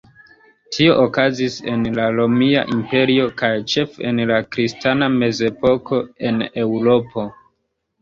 Tio okazis en la Romia Imperio kaj ĉefe en la kristana Mezepoko en Eŭropo.